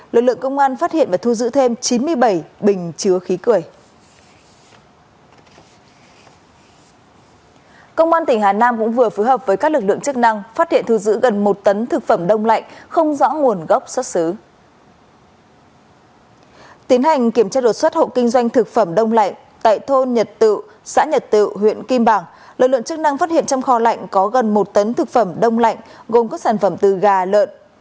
lực lượng chức năng phát hiện trong kho lạnh có gần một tấn thực phẩm đông lạnh gồm các sản phẩm từ gà lợn